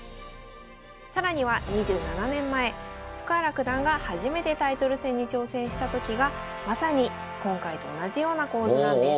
更には２７年前深浦九段が初めてタイトル戦に挑戦した時がまさに今回と同じような構図なんです。